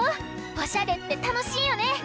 おしゃれってたのしいよね。